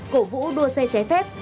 cổ vũ đua xe ché phép